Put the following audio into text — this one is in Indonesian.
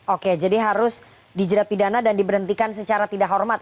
oke jadi harus dijerat pidana dan diberhentikan secara tidak hormat